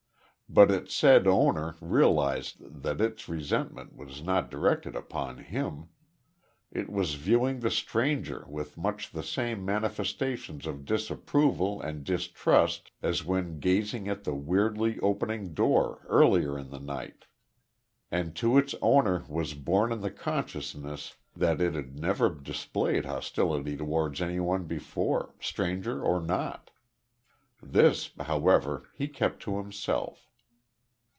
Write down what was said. But its said owner realised that its resentment was not directed upon him. It was viewing the stranger with much the same manifestations of disapproval and distrust as when gazing at the weirdly opening door, earlier in the night. And to its owner was borne in the consciousness that it had never displayed hostility towards anybody before stranger or not. This, however, he kept to himself.